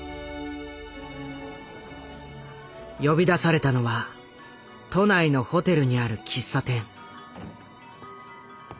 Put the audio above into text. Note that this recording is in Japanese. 呼び出されたのは都内のホテルにある喫茶店。